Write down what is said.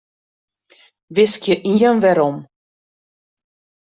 Wiskje ien werom.